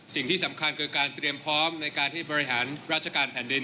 สิ่งที่สำคัญคือการเตรียมพร้อมในการที่บริหารราชการแผ่นดิน